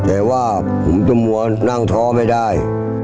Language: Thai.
แต่ว่าผมจะมัวนั่งท้อไม่ได้